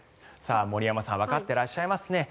森山さんわかっていらっしゃいますね。